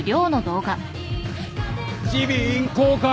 耳鼻咽喉科？